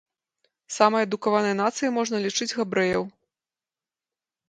Самай адукаванай нацыяй можна лічыць габрэяў.